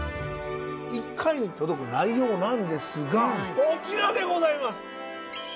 １回に届く内容なんですがこちらでございます。